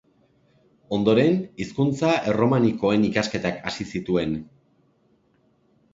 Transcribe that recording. Ondoren, hizkuntza erromanikoen ikasketak hasi zituen.